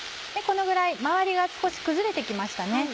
このぐらい周りが少し崩れて来ました。